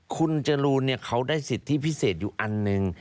คุณจรูนเขาได้สิทธิพิเศษอยู่อันหนึ่ง